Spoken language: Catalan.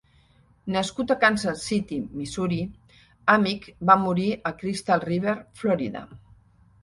Nascut a Kansas City, Missouri, Amick va morir a Crystal River, Florida.